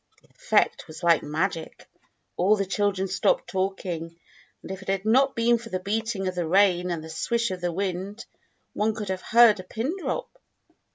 The effect was like magic; all the children stopped talking, and if it had not been for the beating of the rain and the swish of the wind one could have heard a pin drop.